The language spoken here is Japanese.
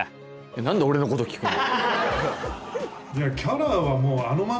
何で俺のこと聞くの？